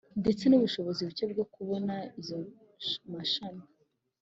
Ndetse n ubushobozi buke bwo kubona izo mashini